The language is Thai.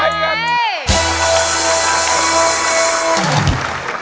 ไม่ใช่